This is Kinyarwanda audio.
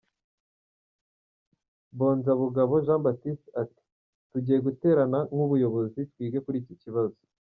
Mbanzabugabo Jean Baptiste ati “Tugiye guterana nk’ubuyobozi twige kuri iki kibazo.